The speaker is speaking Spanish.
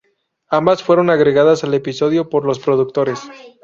Ambas fueron agregadas al episodio por los productores.